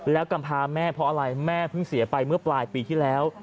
แล้วกำพาแม่เพราะอะไรแม่เพิ่งเสียไปเมื่อปลายปีที่แล้ว